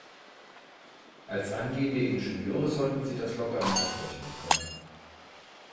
Als angehende Ingenieure sollten Sie das locker im Kopf rechnen können.